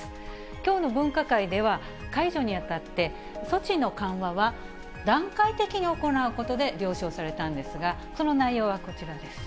きょうの分科会では、解除にあたって、措置の緩和は段階的に行うことで了承されたんですが、その内容はこちらです。